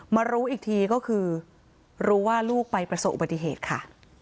มารู้อีกทีก็คือรู้ว่าลูกไปประสบอุบัติเหตุค่ะ